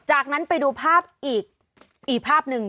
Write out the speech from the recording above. จากนั้นไปดูภาพอีกภาพหนึ่ง